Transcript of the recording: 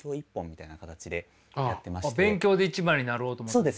勉強で一番になろうと思ったんですか。